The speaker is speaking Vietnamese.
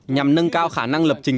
nhằm nâng cao khả năng lập trình